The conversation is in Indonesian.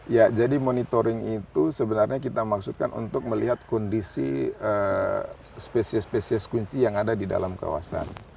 ya jadi monitoring itu sebenarnya kita maksudkan untuk melihat kondisi spesies spesies kunci yang ada di dalam kawasan